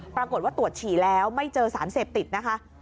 ปรากฏว่าตรวจฉี่แล้วไม่เจอสารเสพติดนะคะ